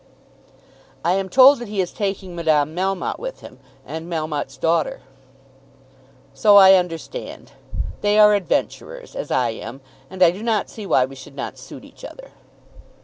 "I am told that he is taking Madame Melmotte with him, and Melmotte's daughter." "So I understand. They are adventurers, as I am, and I do not see why we should not suit each other."